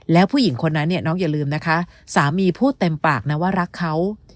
แล้วผู้หญิงคนนั้นเนี่ยน้องอย่าลืมนะคะสามีพูดเต็มปากนะว่ารักเขา